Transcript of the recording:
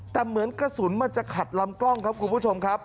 แต่เหมือนกระสุนมันจะขัดลำกล้องครับคุณผู้ชมครับ